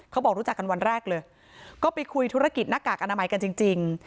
เขาบอกรู้จักกันวันแรกเลยก็ไปคุยธุรกิจหน้ากากอนามัยกันจริง